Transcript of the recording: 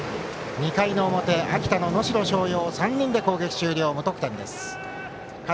２回の表、秋田の能代松陽は３人で攻撃終了、無得点です。